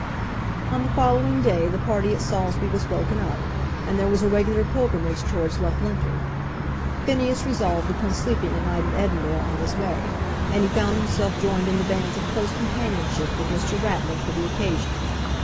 On the following day the party at Saulsby was broken up, and there was a regular pilgrimage towards Loughlinter. Phineas resolved upon sleeping a night at Edinburgh on his way, and he found himself joined in the bands of close companionship with Mr. Ratler for the occasion.